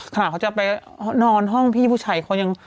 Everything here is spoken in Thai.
เขาจะไปนอนห้องพี่ผู้ชายเขายัง